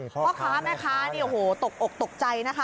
พ่อค้าแม่ค้าเนี่ยโอ้โหตกอกตกใจนะคะ